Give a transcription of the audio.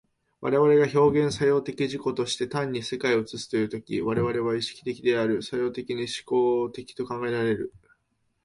我々が表現作用的自己として単に世界を映すという時、我々は意識的である、作用的には志向的と考えられる。